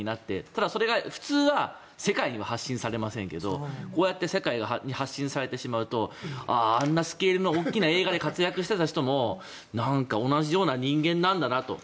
ただ、それが普通は世界には発信されませんけどこうやって世界に発信されてしまうとあんなスケールの大きな映画で活躍していた人もなんか同じような人間なんだなと。